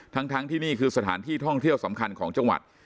ทั้งที่นี่คือสถานที่ท่องเที่ยวสำคัญของจังหวัด